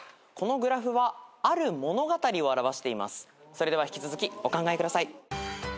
それでは引き続きお考えください。